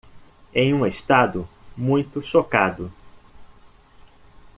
Em um estado muito chocado